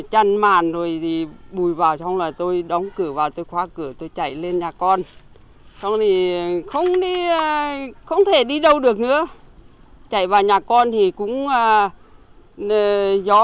hẹn gặp lại các bạn trong những video tiếp theo